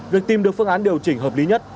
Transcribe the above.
việc tìm được phương án điều chỉnh hợp lý nhất